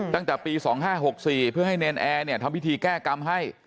ตั้งแต่ปี๒๕๖๔เพื่อให้เนรนแอร์ทำพิธีแก้กรรมให้